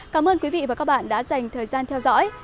cảm ơn quý vị và các bạn đã dành thời gian theo dõi